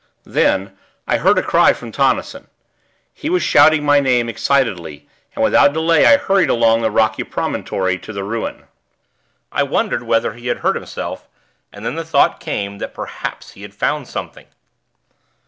Then, I heard a cry from Tonnison; he was shouting my name, excitedly, and without delay I hurried along the rocky promontory to the ruin. I wondered whether he had hurt himself, and then the thought came, that perhaps he had found something.